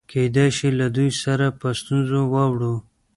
کېدای شي له دوی سره په ستونزه واوړو.